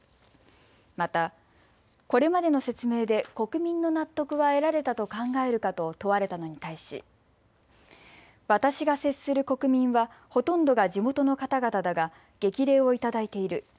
また、これまでの説明で国民の納得は得られたと考えるかと問われたのに対し、私が接する国民はほとんどが地元の方々だが激励をいただいている。